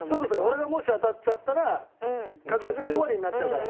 俺がもし当たっちゃったら確率が５割になっちゃうから。